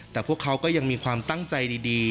แต่พวกเขาก็ยังมีความตั้งใจดี